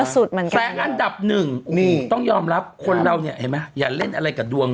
แสงอันดับหนึ่งต้องยอมรับคนเราเนี่ยอย่าเล่นอะไรกับดวง